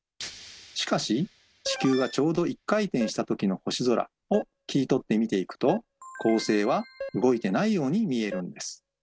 しかし地球がちょうど１回転したときの星空を切り取って見ていくと恒星は動いてないように見えるのです。